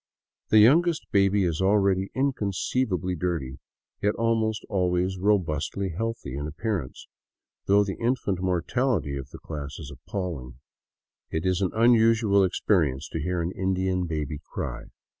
The youngest baby is already inconceivably dirty, yet almost al ways robustly healthly in appearance, though the infant mortality of the class is appalling. It is an unusual experience to hear an Indian baby cry.